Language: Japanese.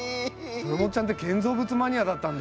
豊本ちゃんって建造物マニアだったんだ。